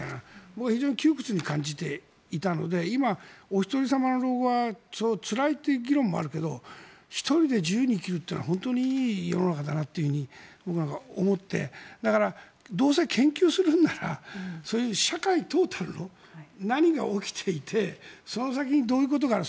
僕は非常に窮屈に感じていたので今、おひとり様の老後がつらいという議論もあるけど１人で自由に生きるっていうのは本当にいい世の中だなと僕なんかは思ってだから、どうせ研究するならそういう社会トータルの何が起きていてその先にどういうことがある。